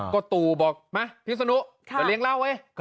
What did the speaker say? ก็ตัวบอกมาพี่ศนุเดี๋ยวเลี้ยงเล่าไว้